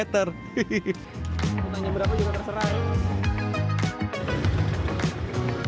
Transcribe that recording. tanya berapa juga terserah ya